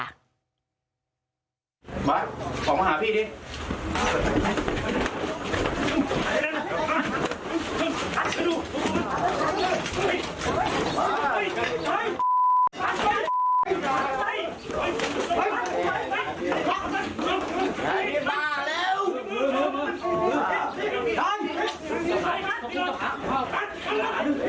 อ้าวเร็วเร็ว